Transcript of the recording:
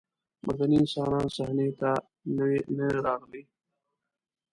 مدني انسان صحنې ته نه راغلی.